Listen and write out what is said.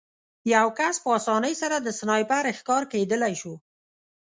یو کس په اسانۍ سره د سنایپر ښکار کېدلی شو